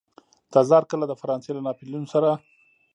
تزار کله د فرانسې له ناپلیون سره.